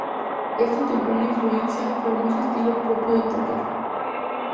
Esta temprana influencia formó su estilo propio de tocar.